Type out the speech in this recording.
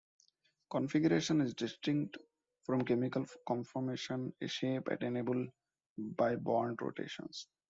Configuration is distinct from chemical conformation, a shape attainable by bond rotations.